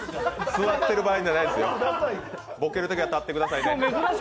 座ってる場合じゃないですよ、ボケるときは立ってくださいね。